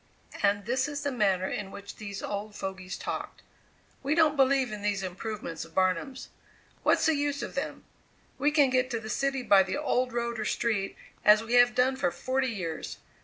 And this is the manner in which these old fogies talked: "We don't believe in these improvements of Barnum's. What's the use of them? We can get to the city by the old road or street, as we have done for forty years.